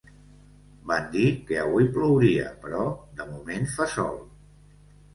Van dir que avui plouria però de moment fa sol.